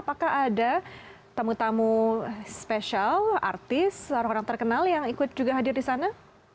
apakah ada tamu tamu spesial artis seorang orang terkenal yang ikut juga hadir di sana